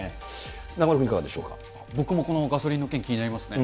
中丸君、僕もこのガソリンの件、気になりますね。